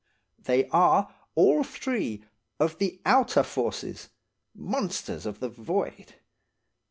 They are, all three, of the outer forces–monsters of the void.